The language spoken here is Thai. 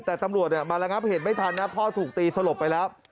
แต่ตำรวจมาระงับเหตุไม่ทันนะพ่อถูกตีสลบไปแล้ว